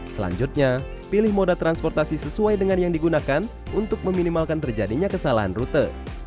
selanjutnya pilih moda transportasi sesuai dengan yang digunakan untuk meminimalkan terjadinya kesalahan rute